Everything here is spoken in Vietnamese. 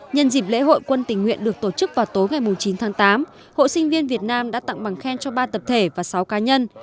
nhân dịp lễ hội quân tình nguyện được tổ chức vào tối ngày chín tháng tám hội sinh viên việt nam đã tặng bằng khen cho ba tập thể và sáu cá nhân